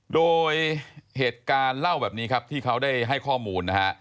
โดยเหตุการณ์เล่าแบบนี้ครับที่เขาได้ให้ข้อมูลนะฮะ